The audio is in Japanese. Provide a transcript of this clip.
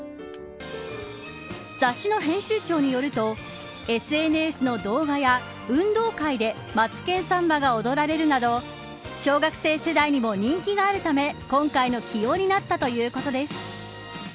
雑誌の編集長によるとＳＮＳの動画や運動会でマツケンサンバが踊られるなど小学生世代にも人気があるため今回の起用になったということです。